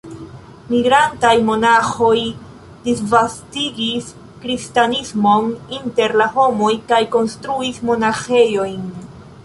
Migrantaj monaĥoj disvastigis kristanismon inter la homoj kaj konstruis monaĥejojn.